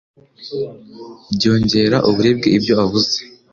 byongera uburibwe ibyo uvuze